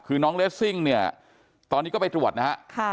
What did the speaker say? คือน้องเลสซิ่งเนี่ยตอนนี้ก็ไปตรวจนะฮะ